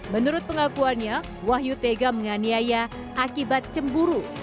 menurut pengakuannya wahyu tega menganiaya akibat cemburu